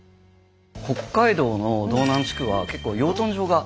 北海道の道南地区は結構養豚場が多かったんですよ。